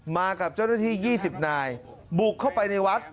มากับเจ้าหน้าที่๒๐นายบุกเข้าไปในวัด